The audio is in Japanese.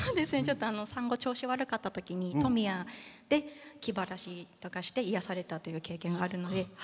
産後、調子が悪かったときに富谷で気晴らしとかして癒やされたという経験があるので。